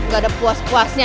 gak ada puas puasnya